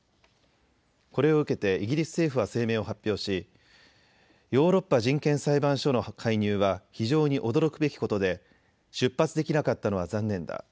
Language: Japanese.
これを受けてイギリス政府は声明を発表し、ヨーロッパ人権裁判所の介入は非常に驚くべきことで出発できなかったのは残念だ。